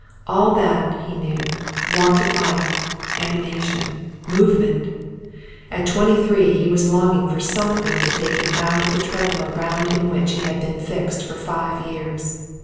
All that, he knew, wanted life, animation, movement. At twenty three he was longing for something to take him out of the treadmill round in which he had been fixed for five years.